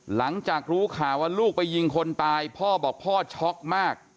หลังจากรู้ข่าวว่าลูกไปยิงคนตายพ่อบอกพ่อช็อกมาก